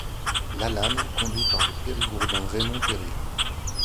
Lalanne, conduits par le Périgourdin Raymond Peyrille.